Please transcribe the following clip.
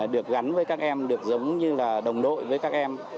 được gắn với các em được giống như là đồng đội với các em